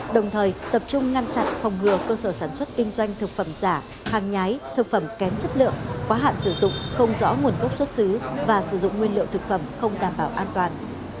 đồng thời tập trung ngăn chặn phòng ngừa cơ sở sản xuất kinh doanh thực phẩm giả hàng nhái thực phẩm kém chất lượng quá hạn sử dụng không rõ nguồn gốc xuất xứ và sử dụng nguyên liệu thực phẩm không đảm bảo an toàn